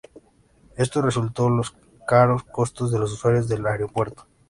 Esto resultó los caros costos de los usuarios del aeropuerto.